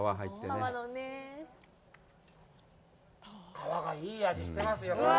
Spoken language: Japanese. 皮がいい味してますよ。